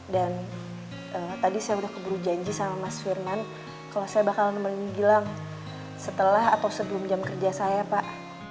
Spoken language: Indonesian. dan tadi saya udah keburu janji sama mas firman kalau saya bakal nemenin gilang setelah atau sebelum jam kerja saya pak